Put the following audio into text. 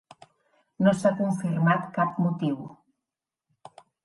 No s'ha confirmat cap motiu.